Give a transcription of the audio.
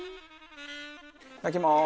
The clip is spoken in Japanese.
いただきます。